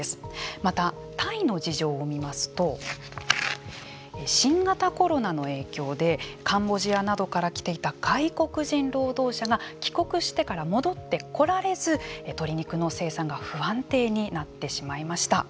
また、タイの事情を見ますと新型コロナの影響でカンボジアなどから来ていた外国人労働者が帰国してから戻ってこられず鶏肉の生産が不安定になってしまいました。